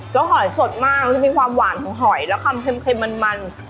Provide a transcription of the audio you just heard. แล้วหอยสดมากเสียงมีความหวานของหอยและคำเค็มมัน